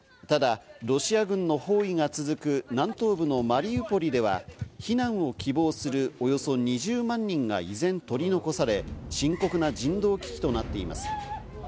ただ、ロシア軍の包囲が続く南東部のマリウポリでは避難を希望する、およそ２０万人が依然取り残され、深刻な人道危機となっています。